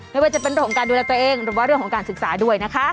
ไม่ว่าจะเป็นเรื่องของการดูแลตัวเองหรือว่าเรื่องของการศึกษาด้วยนะคะ